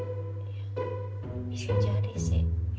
bisa jadi sih